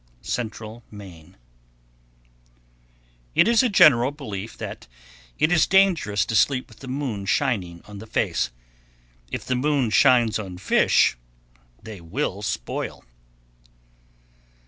Central Maine. 1112. It is a general belief that it is dangerous to sleep with the moon shining on the face. If the moon shines on fish, they will spoil.